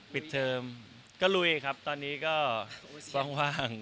ปิดเทอมก็ลุยครับตอนนี้ก็ว่าง